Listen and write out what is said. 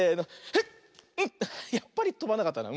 やっぱりとばなかったな。